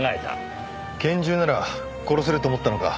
拳銃なら殺せると思ったのか。